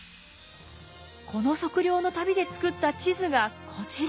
この測量の旅で作った地図がこちら。